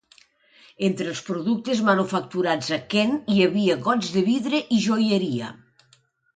Entre els productes manufacturats a Kent hi havia gots de vidre i joieria.